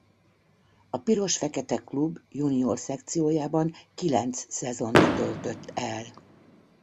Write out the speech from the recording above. A piros-fekete klub junior szekciójában kilenc szezont töltött el.